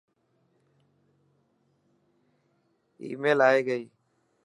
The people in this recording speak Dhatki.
آي ميل ائي گئي.